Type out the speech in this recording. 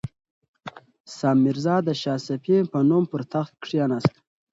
سام میرزا د شاه صفي په نوم پر تخت کښېناست.